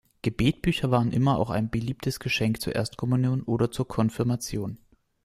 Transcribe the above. Gebetbücher waren immer auch ein beliebtes Geschenk zur Erstkommunion oder zur Konfirmation.